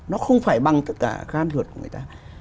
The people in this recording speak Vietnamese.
nó không phải bằng tất cả gan thuật